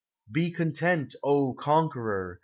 Be content, O conqueror!